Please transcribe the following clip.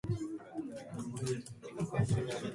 你有冇租用迷你倉？